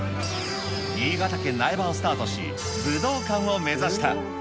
新潟県苗場をスタートし、武道館を目指した。